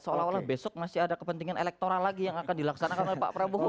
seolah olah besok masih ada kepentingan elektoral lagi yang akan dilaksanakan oleh pak prabowo